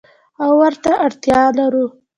او ورته اړتیا لرو.